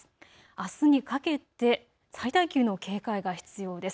あすにかけて最大級の警戒が必要です。